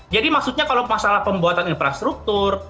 jadi maksudnya kalau masalah pembuatan infrastruktur